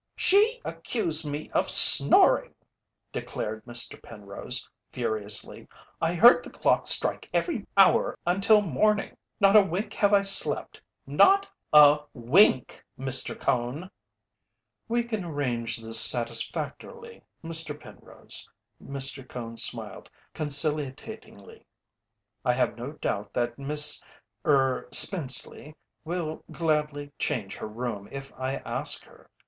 "She accused me of snoring!" declared Mr. Penrose, furiously. "I heard the clock strike every hour until morning! Not a wink have I slept not a wink, Mr. Cone!" "We can arrange this satisfactorily, Mr. Penrose," Mr. Cone smiled conciliatingly. "I have no doubt that Miss er Spenceley will gladly change her room if I ask her.